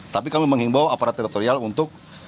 tapi kami menghimbau aparat teritorial untuk